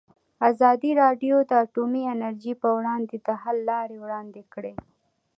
ازادي راډیو د اټومي انرژي پر وړاندې د حل لارې وړاندې کړي.